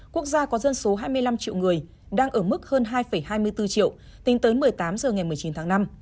quốc gia có dân số hai mươi năm triệu người đang ở mức hơn hai hai mươi bốn triệu tính tới một mươi tám h ngày một mươi chín tháng năm